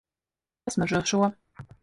Pasmaržo šo.